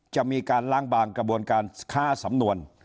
จะมีการล้างบางกระบวนการค้าสำนวน